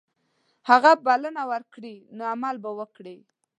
که هغه بلنه ورکړي نو عمل به وکړي.